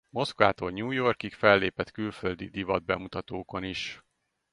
Moszkvától New Yorkig fellépett külföldi divatbemutatókon is.